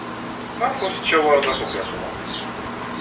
Maɣef ur tettcawareḍ abugaṭu?